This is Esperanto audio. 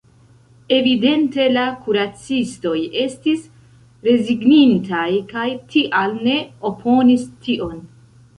Evidente la kuracistoj estis rezignintaj kaj tial ne oponis tion.